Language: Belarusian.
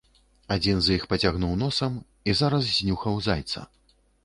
Адзін з іх пацягнуў носам і зараз знюхаў зайца.